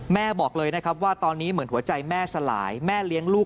บอกเลยนะครับว่าตอนนี้เหมือนหัวใจแม่สลายแม่เลี้ยงลูก